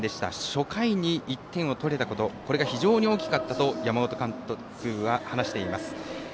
初回に１点を取れたことこれが非常に大きかったと山本監督は話しています。